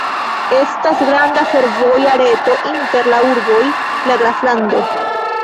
Estas granda fervoja reto inter la urboj la graflando.